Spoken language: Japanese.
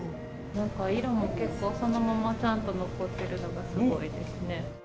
なんか色も結構そのままちゃんと残ってるのがすごいですね。